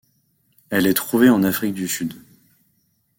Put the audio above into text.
Elle est trouvée en Afrique du Sud.